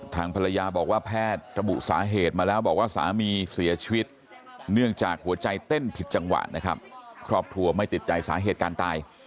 ทางภรรยาบอกว่าแพทย์ระบุสาเหตุมาแล้วบอกว่าสามีเสียชีวิตเนื่องจากหัวใจเต้นผิดจังหวะนะครับครอบครัวไม่ติดใจสาเหตุการตาย